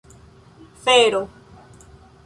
fero